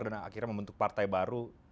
dan akhirnya membentuk partai baru